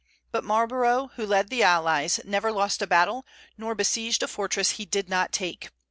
But Marlborough, who led the allies, never lost a battle, nor besieged a fortress he did not take.